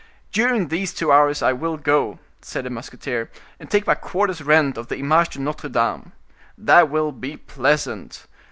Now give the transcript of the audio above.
"During these two hours I will go," said the musketeer, "and take my quarter's rent of the Image de Notre Dame. That will be pleasant.